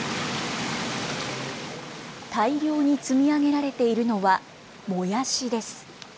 大量に積み上げられているのはもやしです。